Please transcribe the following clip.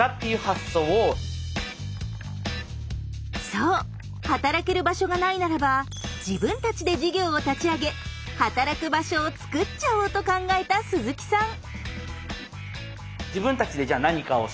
そう働ける場所がないならば自分たちで事業を立ち上げ働く場所をつくっちゃおうと考えた鈴木さん。